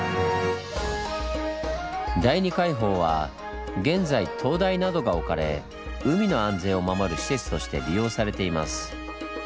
第二海堡は現在灯台などが置かれ海の安全を守る施設として利用されています。